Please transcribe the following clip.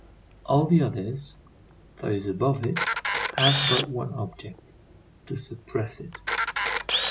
All the others, those above it, have but one object—to suppress it.